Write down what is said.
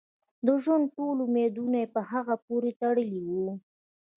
د ژوند ټول امیدونه یې په هغه پورې تړلي وو.